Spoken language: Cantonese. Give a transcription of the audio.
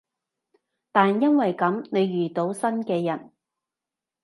但因為噉，你遇到新嘅人